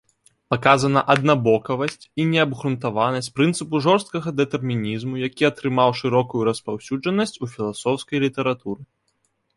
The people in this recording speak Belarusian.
Паказана аднабаковасць і неабгрунтаванасць прынцыпу жорсткага дэтэрмінізму, які атрымаў шырокую распаўсюджанасць у філасофскай літаратуры.